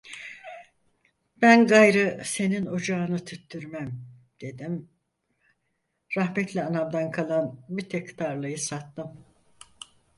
Ben gayrı senin ocağını tüttürmem! dedim, rahmetli anamdan kalan bir tek tarlayı sattım.